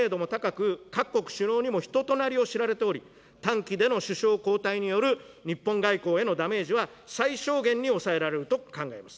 国際的知名度も高く、各国首脳にも人となりを知られており、短期での首相交代による日本外交へのダメージは最小限に抑えられると考えます。